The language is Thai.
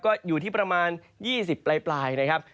ก็อยู่ที่ประมาณ๒๐ปลายนะครับ